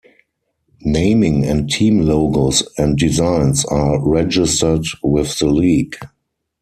Naming and team logos and designs are registered with the league.